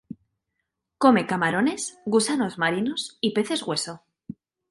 Come camarones, gusanos marinos y peces hueso.